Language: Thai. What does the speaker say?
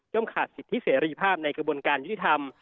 ขาดสิทธิเสรีภาพในกระบวนการยุติธรรม